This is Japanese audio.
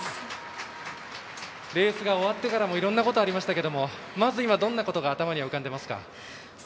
レースが終わってからもいろんなことがありましたがまず今、どんなことが頭に浮かんでいますか。